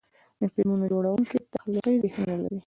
د فلمونو جوړونکي تخلیقي ذهنونه لري.